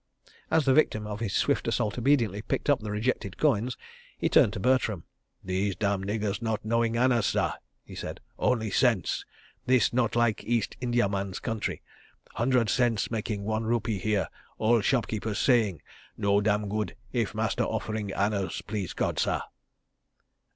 As the victim of his swift assault obediently picked up the rejected coins, he turned to Bertram. "These dam' niggers not knowing annas, sah," he said, "only cents. This not like East Indiaman's country. Hundred cents making one rupee here. All shopkeepers saying, 'No damn good' if master offering annas, please God, sah."